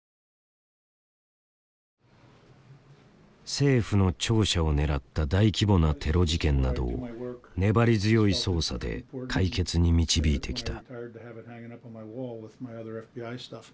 政府の庁舎を狙った大規模なテロ事件などを粘り強い捜査で解決に導いてきた。